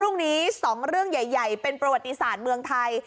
พรุ่งนี้๒เรื่องใหญ่เป็นประวัติศาสตร์เมืองไทย